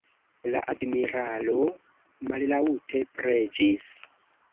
La admiralo mallaŭte preĝis.